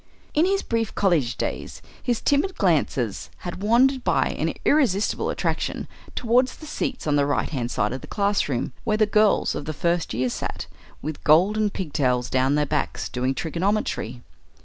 In his brief college days his timid glances had wandered by an irresistible attraction towards the seats on the right hand side of the class room, where the girls of the first year sat, with golden pigtails down their backs, doing trigonometry.